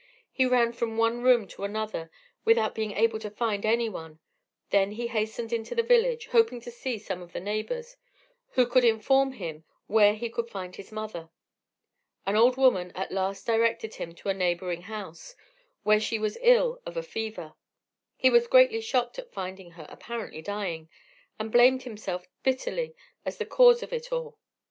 He ran from one room to another, without being able to find any one; he then hastened into the village, hoping to see some of the neighbours, who could inform him where he could find his mother. An old woman at last directed him to a neighbouring house, where she was ill of a fever. He was greatly shocked at finding her apparently dying, and blamed himself bitterly as the cause of it all.